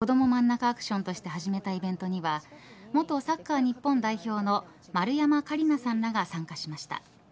政府がこどもまんなかアクションとして始めたイベントには元サッカー日本代表の丸山桂里奈さんらが参加しました。